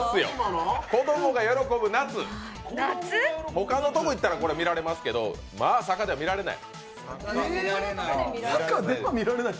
ほかのところに行ったら見られますけど、坂では見られない。